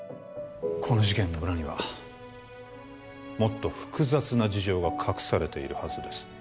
この事件の裏にはもっと複雑な事情が隠されているはずです